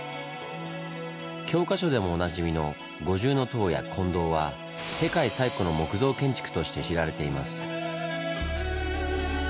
教科書でもおなじみの五重塔や金堂は世界最古の木造建築として知られています。